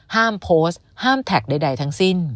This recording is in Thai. ห้ามโพสต์ห้ามแท็กใดทั้งสิ้น